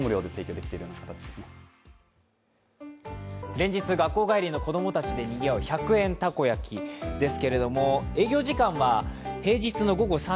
連日学校帰りの子供たちでにぎわう１００円たこ焼きです。